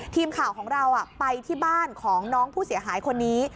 ทีมข่าวของเราไปที่บ้านของน้องผู้เสียหายคนนี้